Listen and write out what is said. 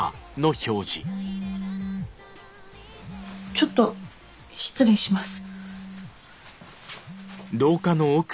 ちょっと失礼します。